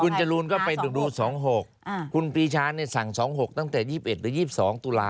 คุณจรูนก็ไปดู๒๖คุณปีชาสั่ง๒๖ตั้งแต่๒๑หรือ๒๒ตุลาค